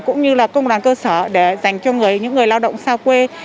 cũng như là công đoàn cơ sở để dành cho những người lao động xa quê